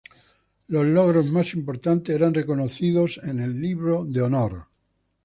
Los logros más importantes eran reconocidos en el "libro de honor".